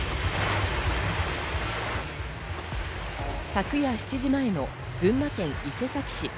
昨夜７時前の群馬県伊勢崎市。